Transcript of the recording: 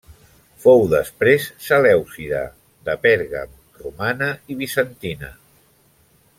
Fou després selèucida, de Pèrgam, romana i bizantina.